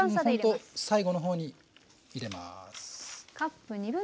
ほんと最後のほうに入れます。